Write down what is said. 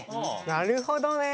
なるほどね。